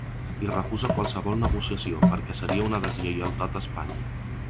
I refusa qualsevol negociació, perquè seria una ‘deslleialtat a Espanya’.